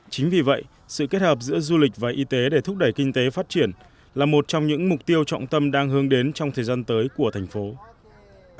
chính vì vậy sự kết hợp giữa du lịch và y tế để thúc đẩy kinh tế phát triển là một trong những mục tiêu trọng tâm đang hướng đến trong thời gian tới của thành phố